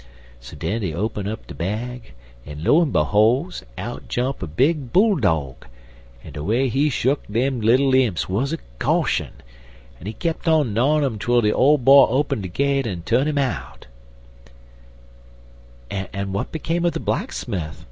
"So den dey open de bag, en lo en behol's, out jump a big bull dog, en de way he shuck dem little imps wuz a caution, en he kep' on gnyawin' un um twel de Ole Boy open de gate en t'un 'im out." "And what became of the blacksmith?"